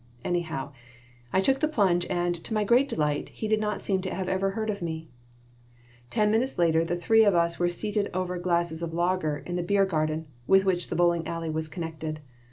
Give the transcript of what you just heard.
Anyhow, I took the plunge and, to my great delight, he did not seem ever to have heard of me Ten minutes later the three of us were seated over glasses of lager in the beer garden with which the bowling alley was connected.